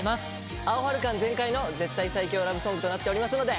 アオハル感全開の絶対最強ラブソングとなっておりますので。